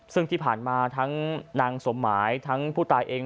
ซึ่งที่ผ่านมาทั้งนางสมหมายทั้งผู้ตายเอง